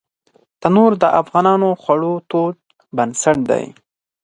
تنور د افغانو خوړو تود بنسټ دی